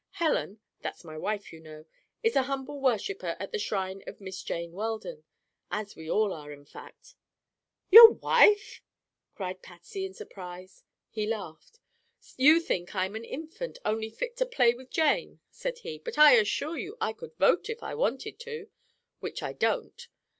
Helen—that's my wife, you know—is an humble worshiper at the shrine of Miss Jane Weldon, as we all are, in fact." "Your wife!" cried Patsy in surprise. He laughed. "You think I'm an infant, only fit to play with Jane," said he; "but I assure you I could vote, if I wanted to—which I don't.